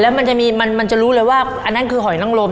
แล้วมันจะมีมันมันจะรู้เลยว่าอันนั้นคือหอยนั่งลม